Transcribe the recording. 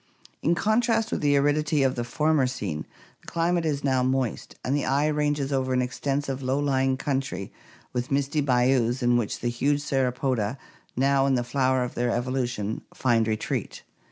In contrast with the aridity of the former scene the climate is now moist, and the eye ranges over an extensive, low lying country with misty bayous in which the huge Sauropoda, now in the flower of their evolution, find retreat.